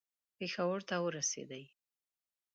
پېښور ته ورسېدی.